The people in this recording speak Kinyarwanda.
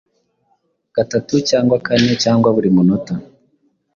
gatatu cyangwa kane cyangwa buri munota,